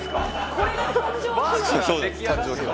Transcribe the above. これが誕生秘話？